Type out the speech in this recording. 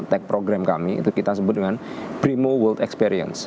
tag program kami itu kita sebut dengan brimo world experience